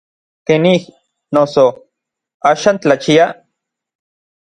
¿Kenij, noso, n axan tlachia?